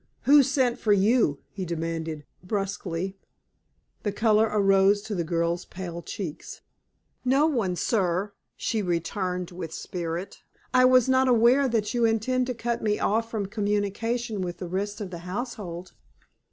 "Who sent for you?" he demanded, brusquely. The color arose to the girl's pale cheeks. "No one, sir," she returned with spirit. "I was not aware that you intend to cut me off from communication with the rest of the household."